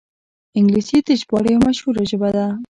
انګلیسي د ژباړې یوه مشهوره ژبه ده